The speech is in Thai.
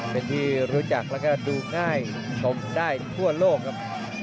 เป็นที่รู้จักแล้วก็ดูง่ายชมได้ทั่วโลกครับ